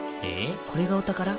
これがお宝？